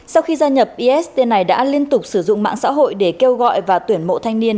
sau khi gia nhập is này đã liên tục sử dụng mạng xã hội để kêu gọi và tuyển mộ thanh niên